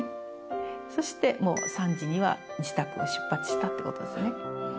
そして３時には自宅を出発したって事ですね。